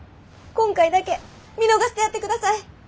今回だけ見逃してやってください！